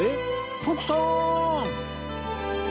徳さん！